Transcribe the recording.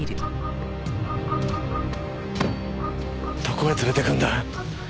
どこへ連れてくんだ？